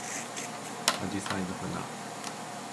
あじさいの花